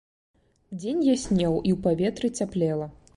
Дзень яснеў, і ў паветры цяплела.